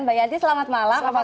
mbak dayanti selamat malam apa kabar